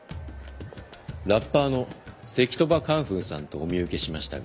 ラッパーの赤兎馬カンフーさんとお見受けしましたが。